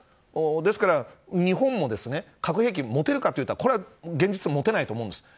ですから日本もですね核兵器持てるかといったら現実では持てないと思うんです。